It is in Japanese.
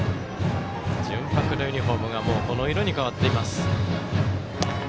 純白のユニフォームがこの色に変わっています。